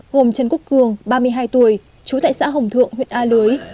gồm trần cúc cường ba mươi hai tuổi trú tại xã hồng thượng huyện a lưới